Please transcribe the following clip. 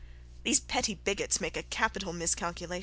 These petty bigots make a capital miscalculation.